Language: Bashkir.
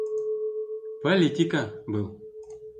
Политика был.